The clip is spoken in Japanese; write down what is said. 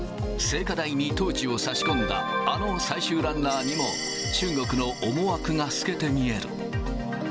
聖火台にトーチを差し込んだあの最終ランナーにも、中国の思惑が透けて見える。